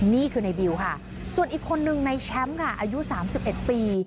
นี่คือในบิวค่ะส่วนอีกคนนึงในแชมป์ค่ะอายุ๓๑ปี